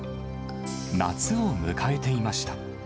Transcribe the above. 夏を迎えていました。